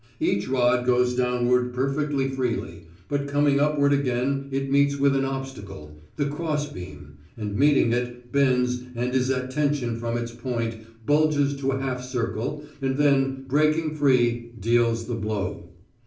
Each rod goes downward perfectly freely, but coming upward again it meets with an obstacle the cross beam and meeting it, bends and is at tension from its point, bulges to a half circle, and then, breaking free, deals the blow.